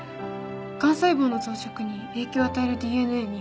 がん細胞の増殖に影響を与えるＤＮＡに。